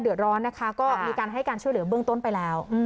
เดือดร้อนนะคะก็มีการให้การช่วยเหลือเบื้องต้นไปแล้ว